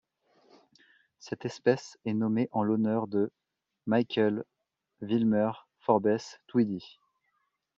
Cette espèce est nommée en l'honneur de Michael Wilmer Forbes Tweedie.